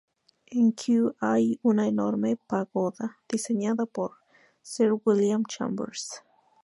En Kew hay una enorme pagoda diseñada por Sir William Chambers.